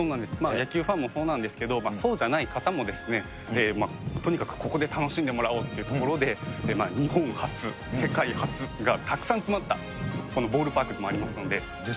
野球ファンもそうなんですけど、そうじゃない方もですね、とにかくここで楽しんでもらおうということで、日本初、世界初がたくさん詰まったこのボールパークでもありますので。